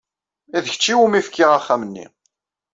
D kečč iwumi fkiɣ axxam-nni.